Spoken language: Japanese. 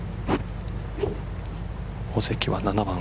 尾関は７番。